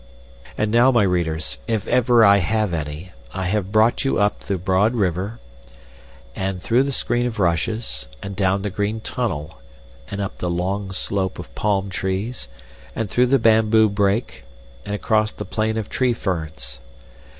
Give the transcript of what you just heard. And now, my readers, if ever I have any, I have brought you up the broad river, and through the screen of rushes, and down the green tunnel, and up the long slope of palm trees, and through the bamboo brake, and across the plain of tree ferns.